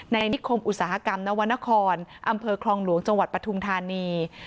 นิคมอุตสาหกรรมนวรรณครอำเภอคลองหลวงจังหวัดปทุมธานี